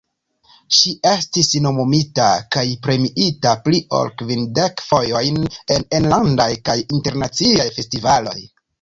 Ŝi estis nomumita kaj premiita pli ol kvindek fojojn en enlandaj kaj internaciaj festivaloj.